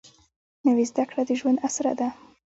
نوې زده کړه د ژوند اسره ده